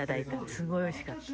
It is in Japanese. すごいおいしかった。